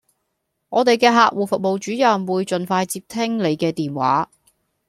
我地既客戶服務主任會盡快接聽你既電話